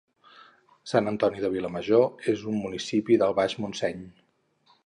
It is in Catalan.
Sant Antoni de Vilamajor és un municipi del Baix Montseny